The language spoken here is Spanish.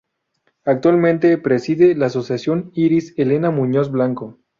Actualmente preside la asociación Iris Elena Muñoz Blanco.